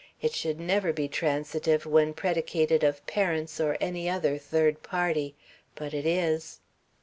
It should never be transitive when predicated of parents or any other third party. But it is.